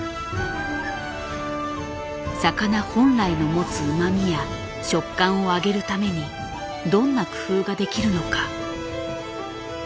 魚本来の持つうまみや食感を上げるためにどんな工夫ができるのか。